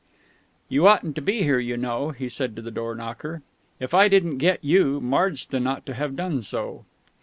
"You oughtn't to be here, you know," he said to the door knocker. "If I didn't get you, Marsden ought to have done so...."